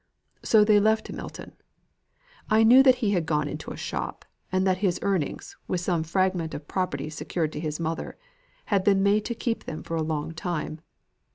So they left Milton. I knew he had gone into a shop, and that his earnings, with some fragment of property secured to his mother, had been made to keep them for a long time.